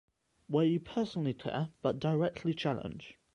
Where you personally care, but directly challenge